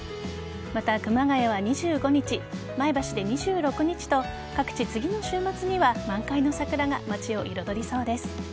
また、熊谷は２５日前橋で２６日と各地、次の週末には満開の桜が街を彩りそうです。